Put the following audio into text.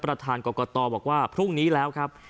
ประธานกรกตบอกว่าพรุ่งนี้แล้วครับ